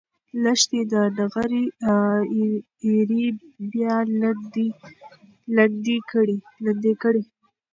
لښتې د نغري ایرې بیا لندې کړې.